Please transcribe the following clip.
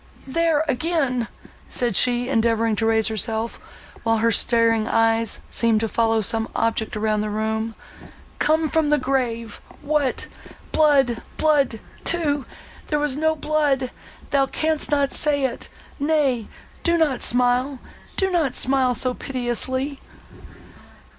there again!" said she, endeavouring to raise herself, while her starting eyes seemed to follow some object round the room—"Come from the grave! What! Blood—blood too!—There was no blood—thou canst not say it!—Nay, do not smile,—do not smile so piteously!"